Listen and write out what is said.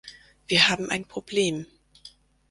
Wir haben ein Problem.